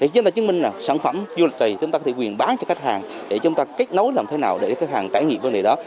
chúng ta chứng minh là sản phẩm du lịch này chúng ta có thể quyền bán cho khách hàng để chúng ta kết nối làm thế nào để khách hàng trải nghiệm vấn đề đó